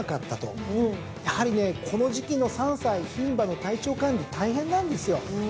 やはりねこの時期の３歳牝馬の体調管理大変なんですよ。